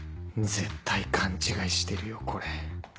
絶対勘違いしてるよこれ